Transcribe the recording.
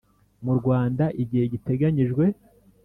Mu rwanda igihe giteganyijwe